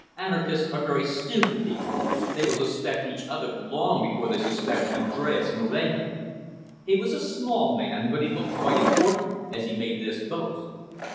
Anarchists are very stupid people. They will suspect each other long before they suspect Andres Moreno." He was a small man, but he looked quite important as he made this boast.